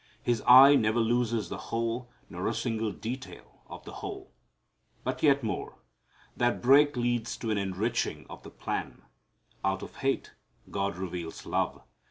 His eye never loses the whole, nor a single detail of the whole. But yet more. That break leads to an enriching of the plan. Out of hate God reveals love.